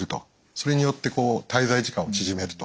それによって滞在時間を縮めると。